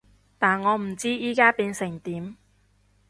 但我唔知而家變成點